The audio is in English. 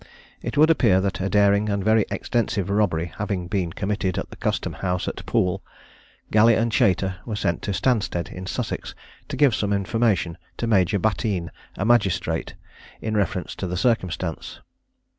It would appear that a daring and very extensive robbery having been committed at the custom house at Poole, Galley and Chater were sent to Stanstead in Sussex, to give some information to Major Battine, a magistrate, in reference to the circumstance.